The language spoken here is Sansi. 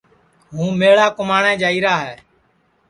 ہُُوں میݪا کُماٹؔیں جائیرا ہے